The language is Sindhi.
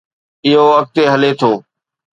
اهو اڳتي هلي ٿو.